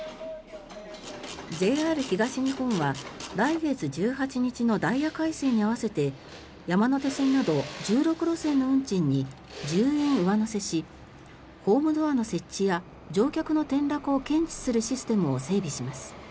ＪＲ東日本は、来月１８日のダイヤ改正に合わせて山手線など１６路線の運賃に１０円上乗せしホームドアの設置や乗客の転落を検知するシステムを整備します。